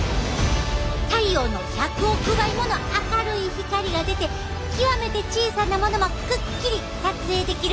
太陽の１００億倍もの明るい光が出て極めて小さなものもくっきり撮影できるんやで！